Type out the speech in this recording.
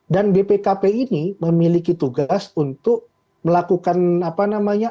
dan bpkp ini memiliki tugas untuk melakukan apa namanya